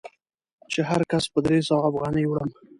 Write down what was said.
چې هر کس په درې سوه افغانۍ وړم.